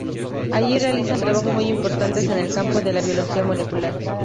Allí realizan trabajos muy importantes en el campo de la biología molecular.